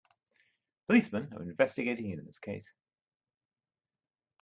Policemen are investigating in this case.